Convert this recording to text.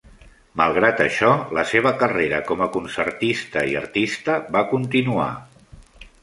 Malgrat això, la seva carrera com a concertista i artista va continuar.